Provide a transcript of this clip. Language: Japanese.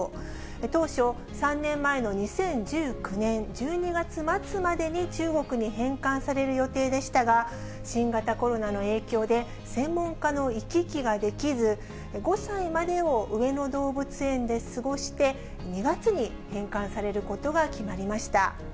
当初、３年前の２０１９年１２月末までに中国に返還される予定でしたが、新型コロナの影響で、専門家の行き来ができず、５歳までを上野動物園で過ごして、２月に返還されることが決まりました。